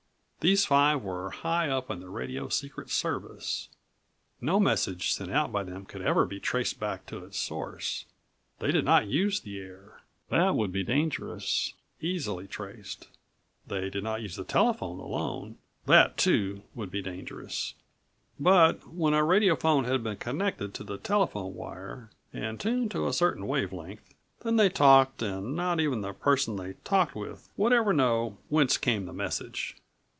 These five were high up in the radio secret service. No message sent out by them could ever be traced back to its source. They did not use the air. That would be dangerous,18 easily traced. They did not use the telephone alone. That, too, would be dangerous. But when a radiophone had been connected to the telephone wire and tuned to a certain wave length, then they talked and not even the person they talked with would ever know whence came the message.